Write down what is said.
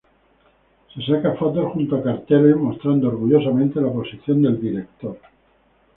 Se saca fotos junto a carteles, mostrando orgullosamente la posición del director.